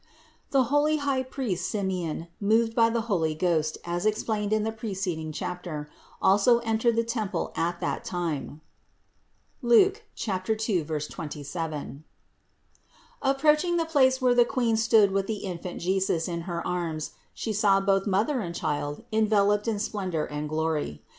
599. The holy high priest Simeon, moved by the Holy Ghost as explained in the preceding chapter, also entered the temple at that time (Luke 2, 27). Approaching the place where the Queen stood with the Infant Jesus in her arms, he saw both Mother and Child enveloped in splendor and glory.